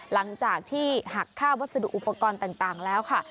หลังจากที่หักค่าวัสดุอุปกรณ์ต่างแล้วค่ะ